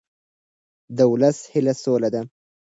د ولس هیله سوله ده